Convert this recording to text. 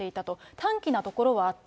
短気なところはあった。